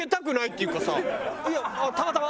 「いやたまたま！」